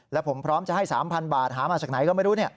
แล้วผมพร้อมจะให้๓๐๐บาทหามาจากไหนก็ไม่รู้